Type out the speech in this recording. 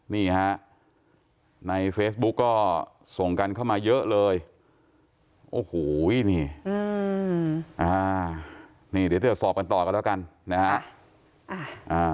นี่ฮะในเฟซบุ๊กก็ส่งกันเข้ามาเยอะเลยโอ้โหนี่เดี๋ยวตรวจสอบกันต่อกันแล้วกันนะฮะ